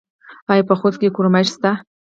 آیا په خوست کې کرومایټ شته؟